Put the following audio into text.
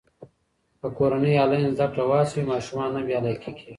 که کورنۍ انلاین زده کړه وهڅوي، ماشوم نه بې علاقې کېږي.